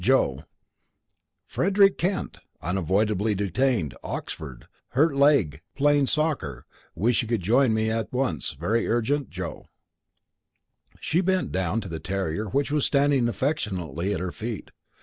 Joe_." "Frederick Kent: Unavoidably detained Oxford hurt leg playing soccer wish you could join me at once very urgent. Joe." She bent down to the terrier which was standing affectionately at her feet.